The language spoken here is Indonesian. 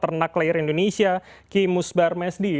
presiden peternak leir indonesia kimus barmesdi